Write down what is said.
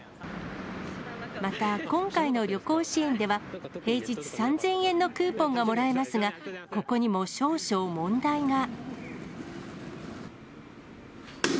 また今回の旅行支援では、平日３０００円のクーポンがもらえますが、ここにも少々問題が。